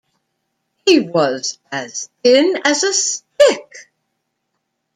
He was as thin as a stick!